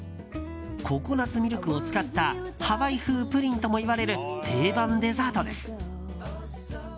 ココナツミルクを使ったハワイ風プリンともいわれる定番デザートです。